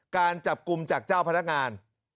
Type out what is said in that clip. การจับกลุ่มจากเจ้าพนักงาน